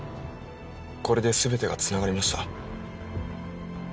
これで全てがつながりました。